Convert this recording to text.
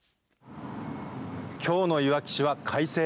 きょうのいわき市は快晴。